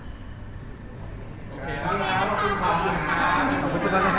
ขอบคุณครับ